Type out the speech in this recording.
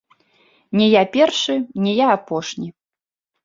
Не я першы, не я апошні.